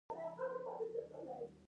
مزارشریف د افغانستان د سیلګرۍ برخه ده.